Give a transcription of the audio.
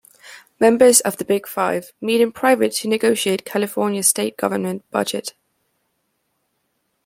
Members of the Big Five meet in private to negotiate California's state government budget.